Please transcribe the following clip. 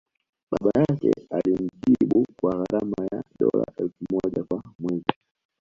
Baba yake alimtibu kwa gharama ya dola elfu moja kwa mwezi